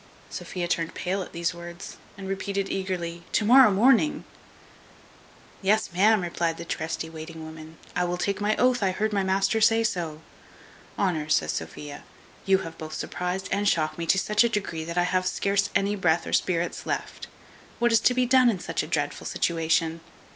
Sophia turned pale at these words, and repeated eagerly, "To morrow morning!" "Yes, ma'am," replied the trusty waiting woman, "I will take my oath I heard my master say so." "Honour," says Sophia, "you have both surprized and shocked me to such a degree that I have scarce any breath or spirits left. What is to be done in my dreadful situation?"